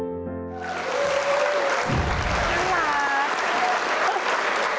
รักพ่อ